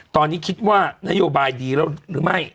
ตอนนี้คิดว่านโยบายดีแล้วหรือไม่